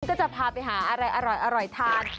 ก็จะพาไปหาอะไรอร่อยทาน